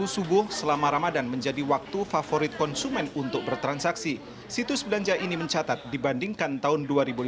situs belanja ini mencatat dibandingkan tahun dua ribu lima belas